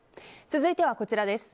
続いてはこちらです。